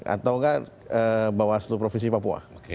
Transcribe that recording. atau enggak bawaslu provinsi papua